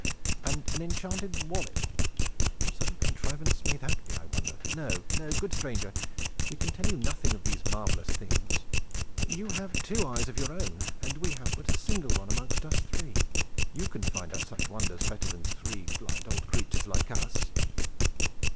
And an enchanted wallet! What sort of a contrivance may that be, I wonder? No, no, good stranger! we can tell you nothing of these marvelous things. You have two eyes of your own, and we have but a single one amongst us three. You can find out such wonders better than three blind old creatures, like us."